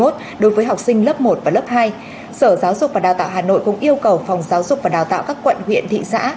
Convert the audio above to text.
đối với học sinh lớp một và lớp hai sở giáo dục và đào tạo hà nội cũng yêu cầu phòng giáo dục và đào tạo các quận huyện thị xã